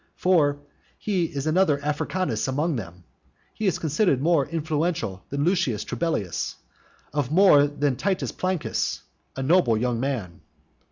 For he is another Africanus among them. He is considered of more influence than Lucius Trebellius, of more than Titus Plancus [lacuna] a noble young man.